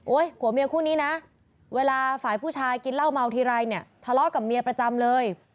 ผัวเมียคู่นี้นะเวลาฝ่ายผู้ชายกินเหล้าเมาทีไรเนี่ยทะเลาะกับเมียประจำเลย